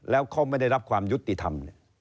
แล้วเขาไม่ได้รับความยุติธรรม